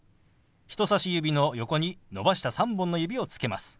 人さし指の横に伸ばした３本の指をつけます。